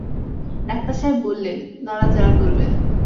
Doctor সাহেব বললেন, নড়াচড়া করবেন।